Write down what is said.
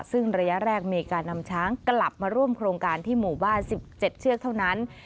ซึ่งระยะแรกมีการนำช้างกลับมาร่วมโครงการที่หมู่บ้าน๑๗เชือกเท่านั้น